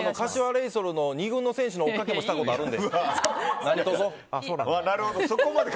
柏レイソルの２軍の選手の追っかけもしたことあるんです。